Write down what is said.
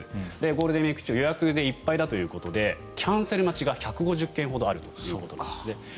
ゴールデンウィーク中予約でいっぱいだということっでキャンセル待ちが１５０件ほどあるということです。